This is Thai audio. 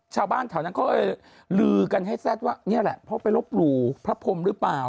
ชาวบ้านเท่านั้นก็ลือกันให้แซดว่านี่แหละเขาไปรบปลูกพระพรมหรือเปล่า